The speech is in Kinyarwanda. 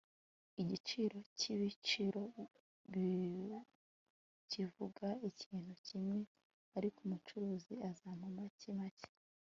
Igiciro cyibiciro kivuga ikintu kimwe ariko umucuruzi azampa make make